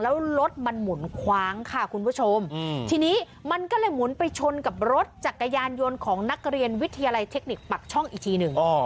แล้วรถมันหมุนคว้างค่ะคุณผู้ชมทีนี้มันก็เลยหมุนไปชนกับรถจักรยานยนต์ของนักเรียนวิทยาลัยเทคนิคปักช่องอีกทีหนึ่ง